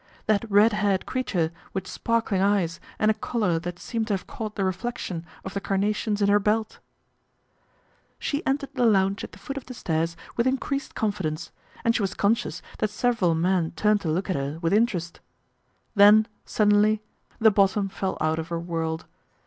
That red haired creature with sparkling eyes and a colour that seemed to have caught the reflection of the carna tions in her belt ! She entered the lounge at the foot of the stairs with increased confidence, and she was conscious that several men turned to look at her with interest. Then suddenly the bottom fell out of her world.